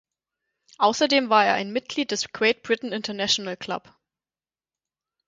Außerdem war er ein Mitglied des „"Great Britain International Club"“.